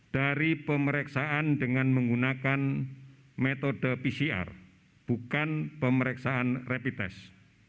dari pemeriksaan dengan menggunakan metode pcr bukan pemeriksaan rapid test